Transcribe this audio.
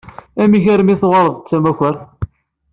Amek armi i tuɣaleḍ d tamakart?